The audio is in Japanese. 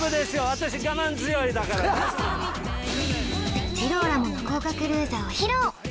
私我慢強いだから大丈夫ジローラモの豪華クルーザーを披露！